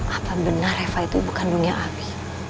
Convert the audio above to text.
apa benar reva itu bukan dunia abi